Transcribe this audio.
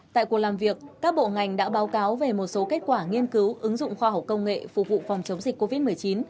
tại cuộc làm việc các bộ ngành đã báo cáo về một số kết quả nghiên cứu ứng dụng khoa học công nghệ phục vụ phòng chống dịch covid một mươi chín